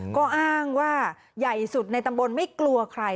ก็อ้างว่าใหญ่สุดในตำบลไม่กลัวใคร